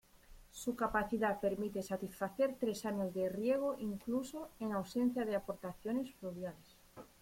Su capacidad permite satisfacer tres años de riego incluso en ausencia de aportaciones fluviales.